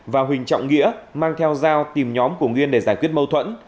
và huỳnh trọng nghĩa mang theo dao tìm nhóm của nguyên để giải quyết mâu thuẫn